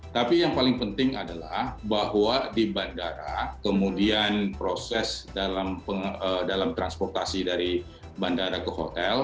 tapi yang paling penting adalah bahwa di bandara kemudian proses dalam transportasi dari bandara ke hotel